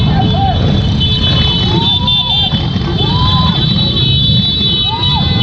สวัสดีครับ